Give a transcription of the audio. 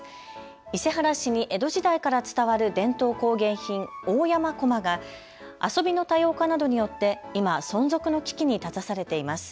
伊勢原市に江戸時代から伝わる伝統工芸品、大山こまが遊びの多様化などによって今、存続の危機に立たされています。